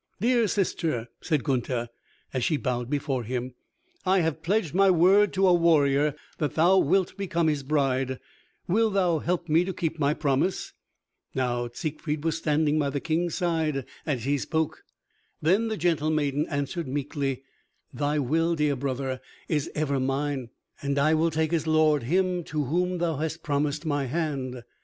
"Dear sister," said Gunther, as she bowed before him, "I have pledged my word to a warrior that thou wilt become his bride, wilt thou help me to keep my promise?" Now Siegfried was standing by the King's side as he spoke. Then the gentle maiden answered meekly, "Thy will, dear brother, is ever mine. I will take as lord him to whom thou hast promised my hand."